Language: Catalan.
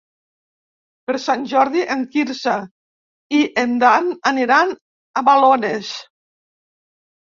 Per Sant Jordi en Quirze i en Dan aniran a Balones.